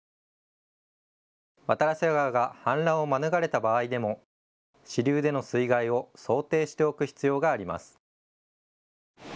渡良瀬川が氾濫を免れた場合でも支流での水害を想定しておく必要があります。